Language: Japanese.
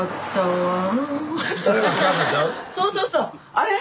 あれ？